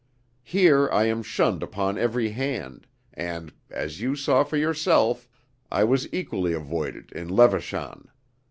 Here I am shunned upon every hand, and, as you saw for yourself, I was equally avoided in Levachan.